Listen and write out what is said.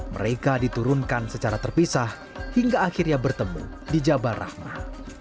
mereka diturunkan secara terpisah hingga akhirnya bertemu di jabal rahmah